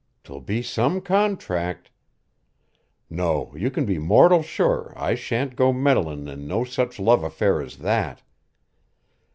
'Twill be some contract. No, you can be mortal sure I shan't go meddlin' in no such love affair as that.